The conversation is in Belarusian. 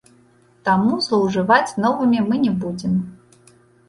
Таму злоўжываць новымі мы не будзем!